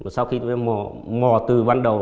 sau khi mò từ ban đầu